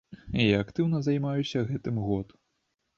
Я актыўна займаюся гэтым год.